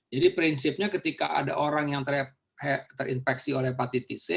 jadi prinsipnya ketika ada orang yang terinfeksi oleh hepatitis c